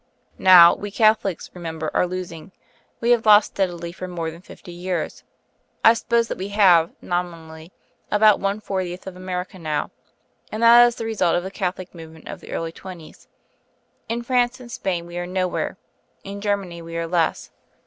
"Now, we Catholics, remember, are losing; we have lost steadily for more than fifty years. I suppose that we have, nominally, about one fortieth of America now and that is the result of the Catholic movement of the early twenties. In France and Spain we are nowhere; in Germany we are less.